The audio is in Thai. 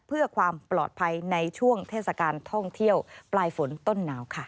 เพื่อความปลอดภัยในช่วงเทศกาลท่องเที่ยวปลายฝนต้นหนาวค่ะ